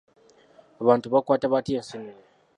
Abantu bakwata batya enseenene?